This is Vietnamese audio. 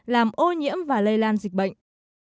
làm ô nhiễm và lây lan dịch bệnh